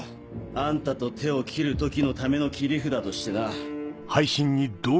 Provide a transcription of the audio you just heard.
あんたと手を切る時のための切り札としてな。